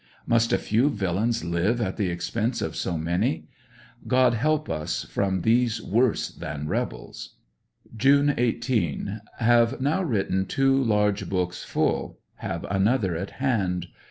Must a few villains live at the expense of so many? God help us from these worse than rebels. June 18. — Have now written two large books full; have another at hand.